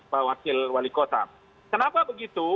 pak wakil wali kota kenapa begitu